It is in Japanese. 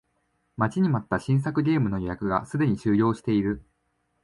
待ちに待った新作ゲームの予約がすでに終了している